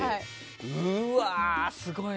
うわ、すごいな。